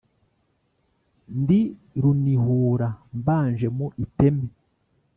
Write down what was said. ndi runihura mbanje mu iteme